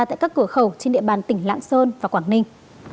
tại các cửa khẩu trên địa bàn tỉnh lạng sơn và quảng ninh